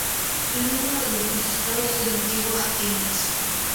Era uno de los magistrados de la Antigua Atenas.